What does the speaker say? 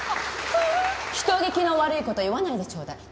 人聞きの悪い事言わないでちょうだい。